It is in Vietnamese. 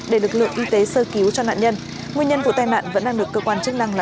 để lực lượng y tế sơ cứu cho nạn nhân nguyên nhân vụ tai nạn vẫn đang được cơ quan chức năng làm rõ